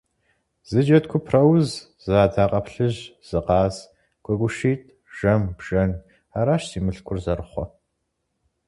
Зы джэд купрауз, сы адакъэплъыжь, зы къаз, гуэгушитӏ, жэм, бжэн, аращ си мылъкур зэрыхъур.